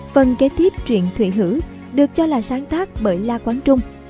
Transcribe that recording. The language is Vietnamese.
phần kế tiếp truyện thủy hữ được cho là sáng tác bởi la quán trung